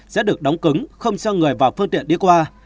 sẽ được đóng cứng không cho người vào phương tiện đi qua